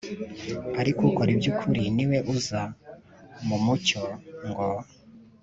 ariko ukora iby ukuri ni we uza mu mucyo ngo